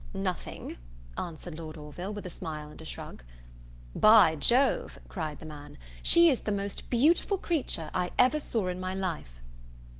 "Nothing!" answered Lord Orville with a smile and a shrug. "By Jove," cried the man, "she is the most beautiful creature I ever saw in my life!"